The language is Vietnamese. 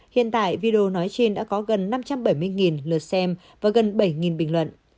hiện tại video nói trên đã có gần năm trăm bảy mươi lượt xem và gần bảy bình luận